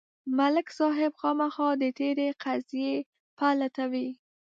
ملک صاحب خامخا د تېرې قضیې پل لټوي.